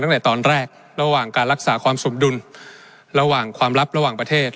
ตั้งแต่ตอนแรกระหว่างการรักษาความสมดุลระหว่างความลับระหว่างประเทศ